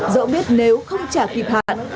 dẫu biết nếu không trả kịp hạn